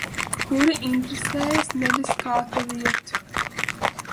Kuri interesējas nevis kā tev iet.